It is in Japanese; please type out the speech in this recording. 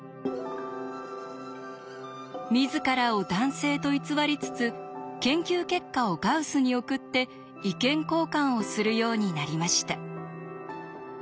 自らを男性と偽りつつ研究結果をガウスに送って意見交換をするようになりました。